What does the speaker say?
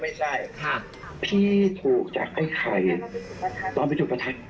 พี่ถูกจัดไข่ใครตอนวัดตัดประทับ